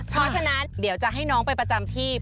เพราะฉะนั้นเดี๋ยวจะให้น้องไปประจำที่